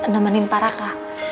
nemenin pak raka